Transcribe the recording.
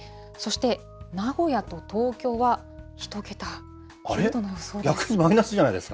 そして、名古屋と東京は、あれ？